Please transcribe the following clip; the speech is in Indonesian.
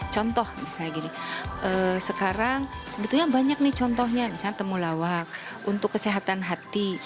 contoh misalnya gini sekarang sebetulnya banyak nih contohnya misalnya temulawak untuk kesehatan hati